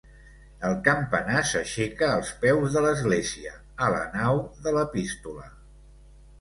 El campanar s'aixeca als peus de l'església, a la nau de l'Epístola.